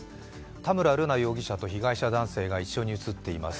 田村瑠奈容疑者と被害者男性が一緒に映っています。